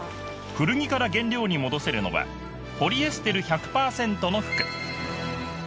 古着から原料に戻せるのはポリエステル１００％の服